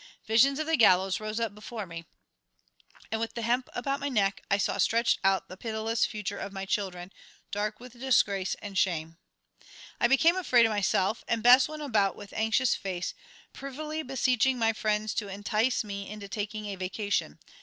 Visions of the gallows rose up before me, and with the hemp about my neck I saw stretched out the pitiless future of my children, dark with disgrace and shame. I became afraid of myself, and Bess went about with anxious face, privily beseeching my friends to entice me into taking a vacation.